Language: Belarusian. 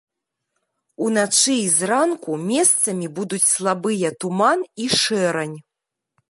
Уначы і зранку месцамі будуць слабыя туман і шэрань.